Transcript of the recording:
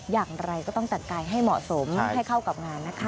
อย่างไรก็ต้องแต่งกายให้เหมาะสมให้เข้ากับงานนะคะ